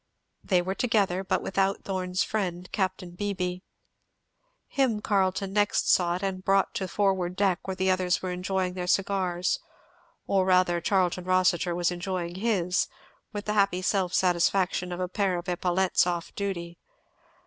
They were together, but without Thorn's friend, Capt. Beebee. Him Carleton next sought and brought to the forward deck where the others were enjoying their cigars; or rather Charlton Rossitur was enjoying his, with the happy self satisfaction of a pair of epaulettes off duty.